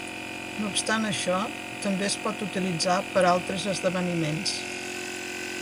No obstant això, també es pot utilitzar per a altres esdeveniments.